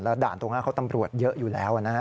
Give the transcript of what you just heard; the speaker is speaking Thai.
แล้วด่านตัวหน้าเขาตำรวจเยอะอยู่แล้วนะ